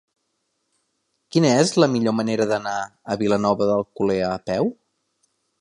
Quina és la millor manera d'anar a Vilanova d'Alcolea a peu?